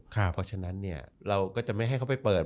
เพราะฉะนั้นเราก็จะไม่ให้เขาไปเปิด